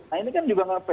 nah ini kan juga nggak fair